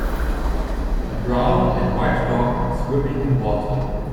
a brown and white dog swimming in water